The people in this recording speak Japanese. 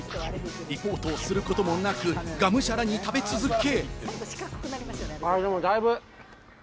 リポートをすることもなく、がむしゃらに食べ続け。